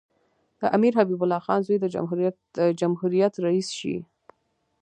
د امیر حبیب الله خان زوی د جمهوریت رییس شي.